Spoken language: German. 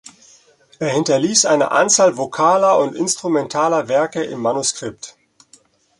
Er hinterließ eine Anzahl vokaler und instrumentaler Werke im Manuskript.